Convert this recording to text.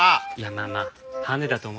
まあまあハンデだと思って。